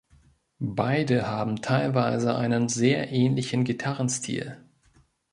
Beide haben teilweise einen sehr ähnlichen Gitarrenstil.